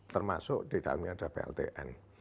termasuk di kami ada pltn